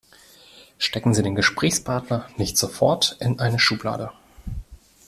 Stecken Sie den Gesprächspartner nicht sofort in eine Schublade.